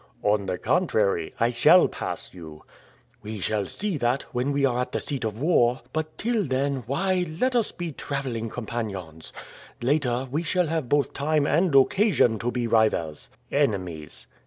"On the contrary, I shall pass you." "We shall see that, when we are at the seat of war; but till then, why, let us be traveling companions. Later, we shall have both time and occasion to be rivals." "Enemies."